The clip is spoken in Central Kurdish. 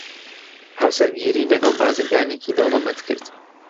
هاوسەرگیریی لەگەڵ بازرگانێکی دەوڵەمەند کرد.